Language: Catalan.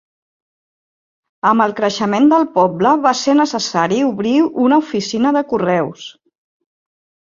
Amb el creixement del poble, va ser necessari obrir una oficina de correus.